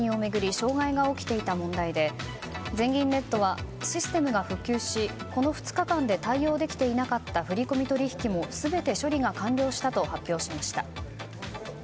障害が起きていた問題で全銀ネットはシステムが復旧しこの２日間で対応できていなかった振り込み取引も全て処理が完了したと発表しました。